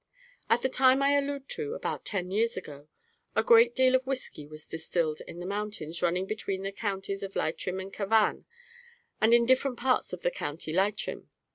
At the time I allude to, about ten years ago, a great deal of whiskey was distilled in the mountains running between the counties of Leitrim and Cavan, and in different parts of the County Leitrim.